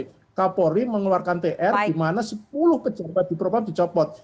kapolri mengeluarkan tr di mana sepuluh pejabat di propam dicopot